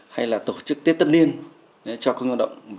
hay là tổ chức tết tân niên cho công nhân lao động